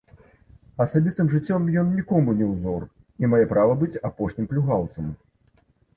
Асабістым жыццём ён нікому не ўзор і мае права быць апошнім плюгаўцам.